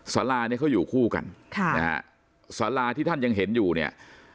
สาราเนี่ยเขาอยู่คู่กันค่ะนะฮะสาราที่ท่านยังเห็นอยู่เนี่ย